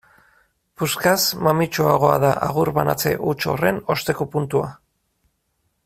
Puskaz mamitsuagoa da agur banatze huts horren osteko puntua.